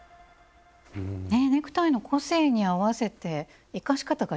ネクタイの個性に合わせて生かし方がいろいろありますよね。